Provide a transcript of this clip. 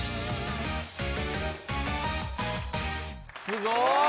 すごい！